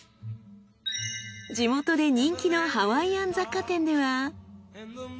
地元で人気のハワイアン雑貨店では。